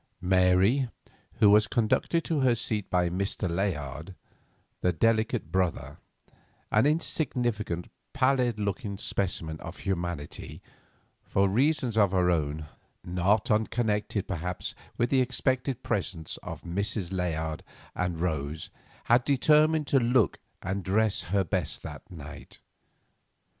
Mary, who was conducted to her seat by Mr. Layard, the delicate brother, an insignificant, pallid looking specimen of humanity, for reasons of her own, not unconnected perhaps with the expected presence of the Misses Layard and Rose, had determined to look and dress her best that night.